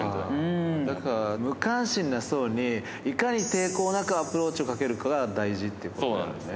無関心な層に、いかに抵抗なくアプローチをかけるかが大事ってことなんですね。